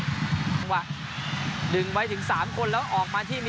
จังหวะดึงไว้ถึง๓คนแล้วออกมาที่มี